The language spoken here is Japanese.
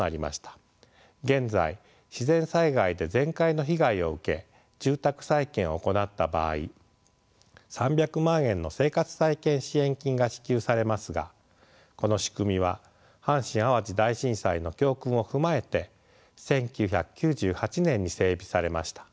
現在自然災害で全壊の被害を受け住宅再建を行った場合３００万円の生活再建支援金が支給されますがこの仕組みは阪神・淡路大震災の教訓を踏まえて１９９８年に整備されました。